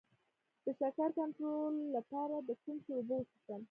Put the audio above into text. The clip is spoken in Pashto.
د شکر کنټرول لپاره د کوم شي اوبه وڅښم؟